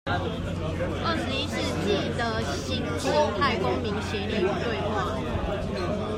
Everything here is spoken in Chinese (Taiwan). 二十一世紀的新型態公民協力與對話